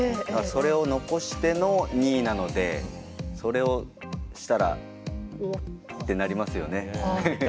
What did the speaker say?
だからそれを残しての２位なのでそれをしたらってなりますよね。